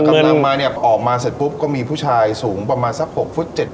กำลังมาเนี่ยออกมาเสร็จปุ๊บก็มีผู้ชายสูงประมาณสัก๖ฟุตเจ็ด